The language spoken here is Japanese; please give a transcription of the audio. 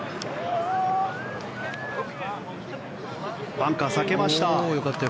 バンカー、避けました。